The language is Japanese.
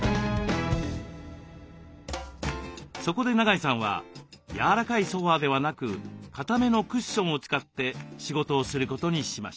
そこで長井さんはやわらかいソファーではなくかためのクッションを使って仕事をすることにしました。